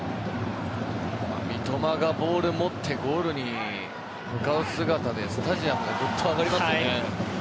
三笘がボールを持ってゴールに向かう姿でスタジアムがぐっと上がりますよね。